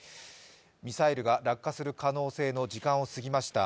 ミサイルが落下する可能性の時間を過ぎました。